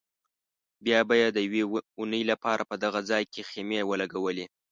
بیا به یې د یوې اونۍ لپاره په دغه ځای کې خیمې ولګولې.